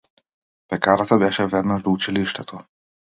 Пекарата беше веднаш до училиштето.